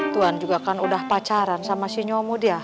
tuhan juga kan udah pacaran sama si nyomo dia